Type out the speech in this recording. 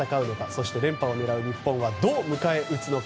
そして、連覇を狙う日本はどう迎え撃つのか。